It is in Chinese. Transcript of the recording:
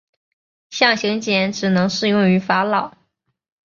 象形茧只能适用于法老。